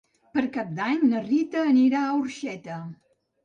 Per Cap d'Any na Rita anirà a Orxeta.